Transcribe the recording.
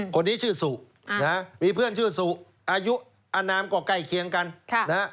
คนนี้ชื่อสุมีเพื่อนชื่อสุอายุอันนามก็ใกล้เคียงกัน